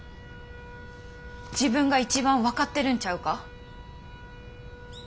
自分が一番分かってるんちゃうか？